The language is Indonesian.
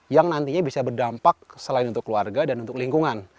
yang nantinya bisa berdampak selain untuk keluarga dan untuk lingkungan